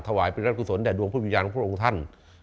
ถวายเป็นรัฐกุศลได้ดวงพลังพิวพิชาญของพระองค์ท่าน